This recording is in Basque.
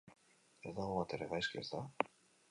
Ez dago batere gaizki, ezta?